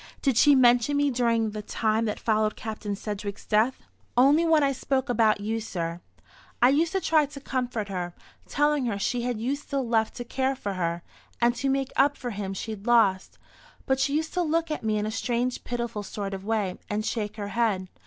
"Did she mention me during the time that followed Captain Sedgewick's death?" "Only when I spoke about you, sir. I used to try to comfort her, telling her she had you still left to care for her, and to make up for him she'd lost. But she used to look at me in a strange pitiful sort of way, and shake her head.